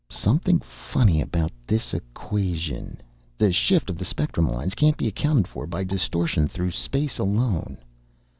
"Something funny about this equation. The shift of the spectrum lines can't be accounted for by distortion through space alone."